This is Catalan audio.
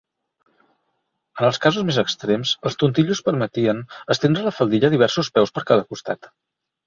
En els casos més extrems, els tontillos permetien estendre la faldilla diversos peus per cada costat.